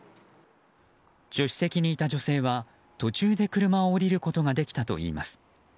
助手席にいた女性は途中で車を降りることができたといいます。